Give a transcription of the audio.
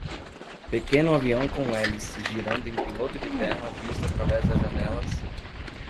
Pequeno avião com hélice girando em piloto de terra visto através das janelas